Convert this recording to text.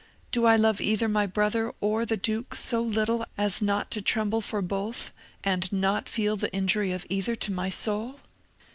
Do I love either my brother or the duke so little as not to tremble for both, and not feel the injury of either to my soul?"